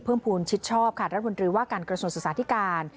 ภูมิชิดชอบค่ะรัฐมนตรีว่าการกระทรวงศึกษาธิการ